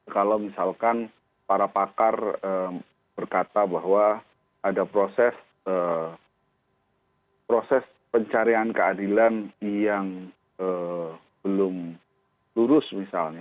kalau misalkan para pakar berkata bahwa ada proses pencarian keadilan yang belum lurus misalnya